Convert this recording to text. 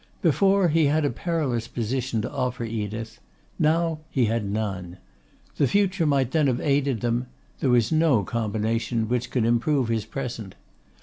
Before, he had a perilous position to offer Edith; now he had none. The future might then have aided them; there was no combination which could improve his present.